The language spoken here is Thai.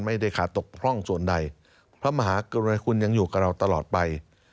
ไม่ได้ขาดตกพร่องส่วนใดพระมหากรุณคุณยังอยู่กับเราตลอดไป